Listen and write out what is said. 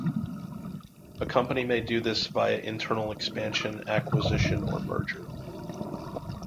A company may do this via internal expansion, acquisition or merger.